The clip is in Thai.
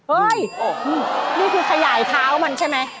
นี่คือขยายเท้ามันใช่ไหม